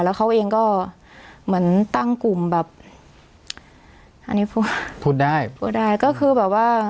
แล้วเขาเองก็เหมือนตั้งกลุ่มแบบอันนี้พูดพูดได้พูดได้ก็คือแบบว่า